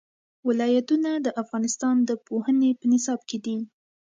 ولایتونه د افغانستان د پوهنې په نصاب کې دي.